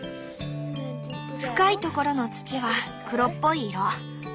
深いところの土は黒っぽい色。